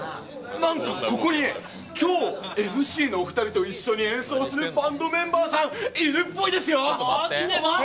なんか、ここにきょう、ＭＣのお二人と一緒に演奏するバンドメンバーさんいるっぽいですよ！